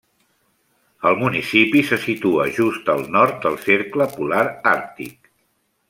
El municipi se situa just al nord del Cercle Polar Àrtic.